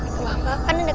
iih berat bang bantu nendang